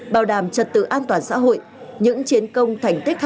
bảo đảm trật tự an toàn xã hội